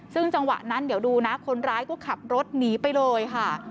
ซึ่งจังหวะนั้นเดี๋ยวดูนะคนร้ายก็ขับรถหนีไปเลยค่ะ